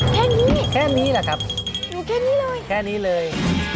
แค่นี้แค่นี้แหละครับอยู่แค่นี้เลยแค่นี้เลย